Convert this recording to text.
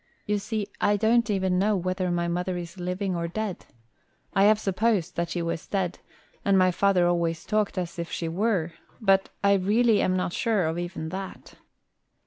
You see, I don't even know whether my mother is living or dead. I have supposed that she was dead, and my father always talked as if she were; but I really am not sure of even that."